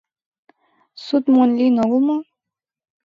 — Суд монь лийын огыл мо?